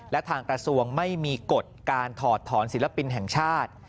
และทางกระทรวงไม่มีกฎการถอดถอนศิลปินแห่งชาติ